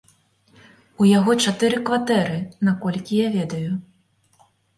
У яго чатыры кватэры, наколькі я ведаю.